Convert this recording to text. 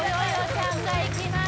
ちゃんがいきます